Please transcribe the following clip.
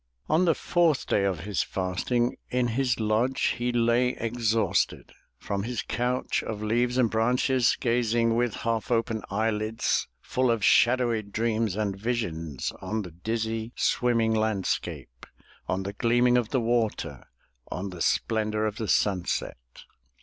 On the fourth day of his fasting In his lodge he lay exhausted; From his couch of leaves and branches Gazing with half open eyelids. Full of shadowy dreams and visions, On the dizzy, swimming landscape. On the gleaming of the water, On the splendor of the sunset.